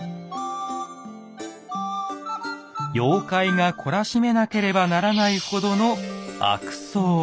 妖怪が懲らしめなければならないほどの「悪僧」。